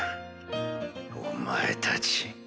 お前たち。